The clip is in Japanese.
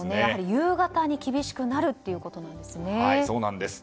夕方に厳しくなるということですね。